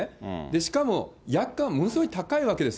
しかも、薬価がものすごい高いわけです。